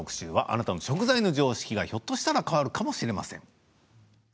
あなたの食材の常識がひょっとしたら変わるかもしれません。